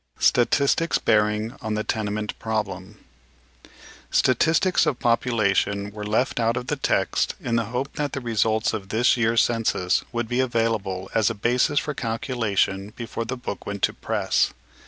STATISTICS BEAEING ON THE TENEMENT PROBLEM. SiATisnos of popnlfttion were left out of the test in the hope thflt the results of this jear's census would be available aa a basis for calculation before the book went to press.